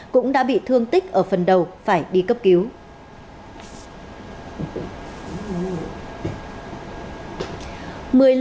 cũng đã bị thương tích ở phần đầu phải đi cấp cứu